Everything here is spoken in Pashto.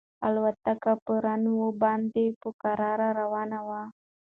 الوتکه په رن وې باندې په کراره روانه وه.